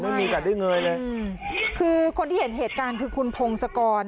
ไม่มีโอกาสได้เงยเลยอืมคือคนที่เห็นเหตุการณ์คือคุณพงศกร